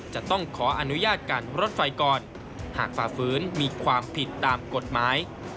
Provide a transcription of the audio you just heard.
จะต้องขออนุญาตการรถไฟก่อนหากฝ่าฝืนมีความผิดตามกฎหมาย